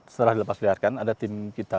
setelah dilepasliarkan ada tim kita